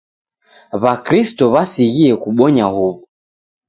W'akristo w'asighie kubonya huw'o.